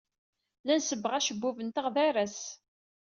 La nsebbeɣ acebbub-nteɣ d aras.